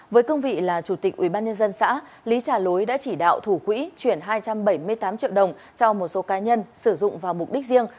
với cương vị là chủ tịch ubnd xã lý trả lối đã chỉ đạo thủ quỹ chuyển hai trăm bảy mươi tám triệu đồng cho một số cá nhân sử dụng vào mục đích riêng